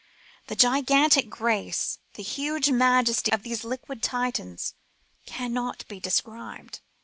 The gigantic grace, the huge majesty of these liquid Titans cannot be described.